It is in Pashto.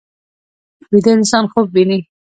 ویده انسان خوب ویني